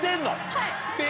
はい。